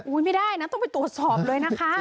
ไม่ได้นะต้องไปตรวจสอบเลยนะคะ